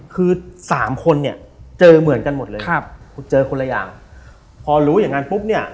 คือสามคนเนี่ยเจอเหมือนกันหมดเลยครับเจอคนละอย่างพอรู้อย่างงั้นปุ๊บเนี่ย